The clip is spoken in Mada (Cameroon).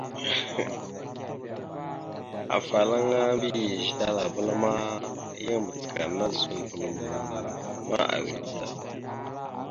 Afalaŋa mbiyez talaval ma, yan macəkana zuməɓlom loma, ʉde da.